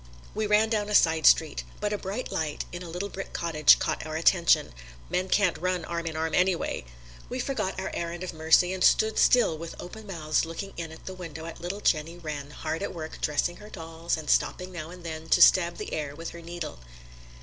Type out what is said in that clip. We ran down a side street. But a bright light in a little brick cottage caught our attention men can't run arm in arm anyway. We forgot our errand of mercy and stood still with open mouths looking in at the window at little Jenny Wren hard at work dressing her dolls and stopping now and then to stab the air with her needle.